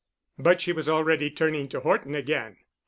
But she was already turning to Horton again.